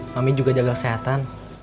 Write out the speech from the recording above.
mami juga jaga kesehatan